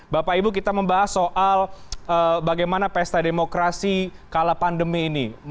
bapak ibu kita membahas soal bagaimana pesta demokrasi kala pandemi ini